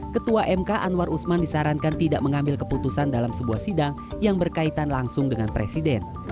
ketua mk anwar usman disarankan tidak mengambil keputusan dalam sebuah sidang yang berkaitan langsung dengan presiden